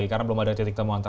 karena belum ada titik temuan